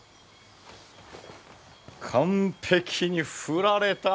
完璧に振られた。